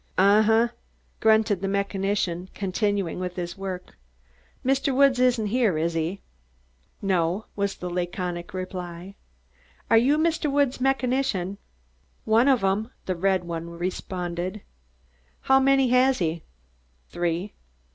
"Un hu," grunted the mechanician, continuing with his work. "Mr. Woods isn't here, is he?" "No," was the laconic reply. "Are you Mr. Woods' mechanician?" "One of 'em," the red one responded. "How many has he?" "Three."